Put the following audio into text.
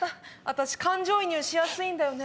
私感情移入しやすいんだよね。